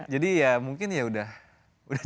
jadi ya mungkin ya udah